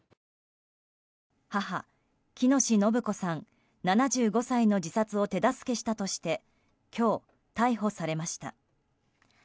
母・喜熨斗延子さん、７５歳の自殺を手助けしたとして今日逮捕されました。